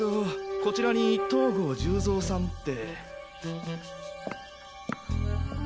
こちらにトーゴー・十三さんって？